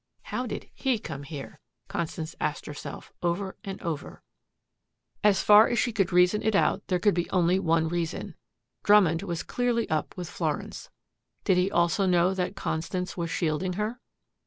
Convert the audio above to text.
"How did HE come here?" Constance asked herself over and over. As far as she could reason it out, there could be only one reason. Drummond was clearly up with Florence. Did he also know that Constance was shielding her?